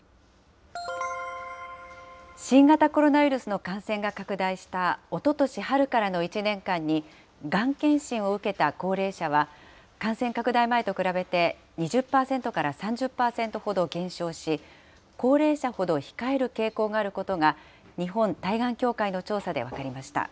新型コロナウイルスの感染が拡大したおととし春からの１年間に、がん検診を受けた高齢者は、感染拡大前と比べて２０％から３０％ほど減少し、高齢者ほど控える傾向があることが、日本対がん協会の調査で分かりました。